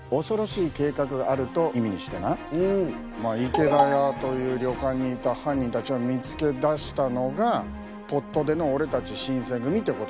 池田屋という旅館にいた犯人たちを見つけ出したのがぽっと出の俺たち新選組ってことなのよ。